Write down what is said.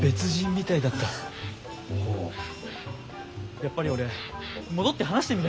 やっぱり俺戻って話してみる。